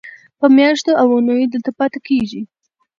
په میاشتو او اوونیو دلته پاتې کېږي.